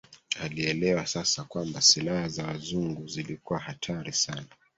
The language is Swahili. Alielewa sasa kwamba silaha za Wazungu zilikuwa hatari sana